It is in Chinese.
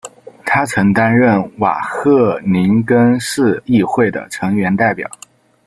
他曾担任瓦赫宁根市议会的成员代表。